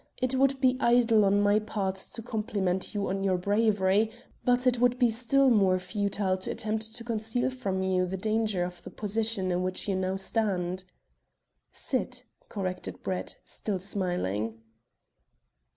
It would be idle on my part to compliment you on your bravery, but it would be still more futile to attempt to conceal from you the danger of the position in which you now stand." "Sit," corrected Brett, still smiling.